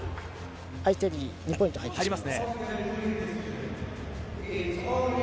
相手に２ポイント入ってしまいます。